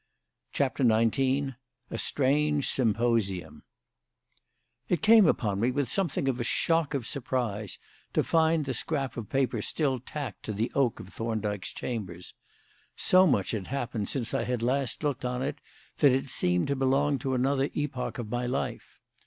CHAPTER XIX A STRANGE SYMPOSIUM It came upon me with something of a shock of surprise to find the scrap of paper still tacked to the oak of Thorndyke's chambers. So much had happened since I had last looked on it that it seemed to belong to another epoch of my life.